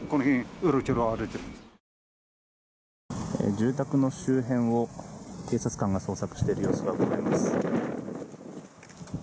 住宅の周辺を警察官が捜索している様子がうかがえます。